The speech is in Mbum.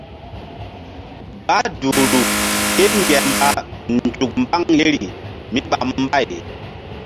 Bah duhru kéŋger mba nzuk mbaŋ yeri míɓa mbay.